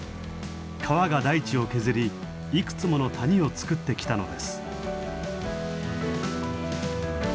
川が台地を削りいくつもの谷をつくってきたのです。